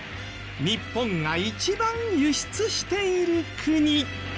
日本が一番輸出している国。